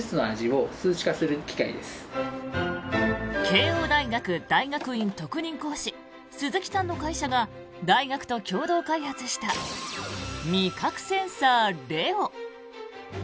慶応大学大学院特任講師鈴木さんの会社が大学と共同開発した味覚センサーレオ。